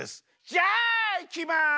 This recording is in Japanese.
じゃあいきます。